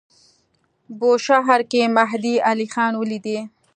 بوشهر کې مهدی علیخان ولیدی.